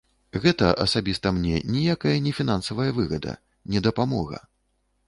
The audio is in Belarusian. Гэта асабіста мне ніякая не фінансавая выгада, не дапамога.